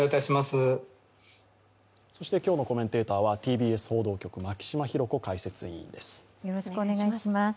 今日のコメンテーターはＴＢＳ報道局・牧嶋博子解説委員です。